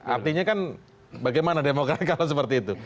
artinya kan bagaimana demokrat kalau seperti itu